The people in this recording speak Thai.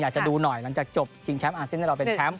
อยากจะดูหน่อยหลังจากจบชิงแชมป์อาร์เซ็นต์รอดเป็นแชมป์